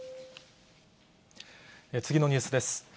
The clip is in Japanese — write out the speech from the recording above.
次のニュースです。